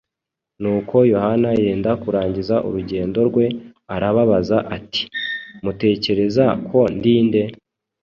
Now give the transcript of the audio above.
Nuko Yohana yenda kurangiza urugendo rwe, arababaza ati, ‘Mutekereza ko ndi nde?’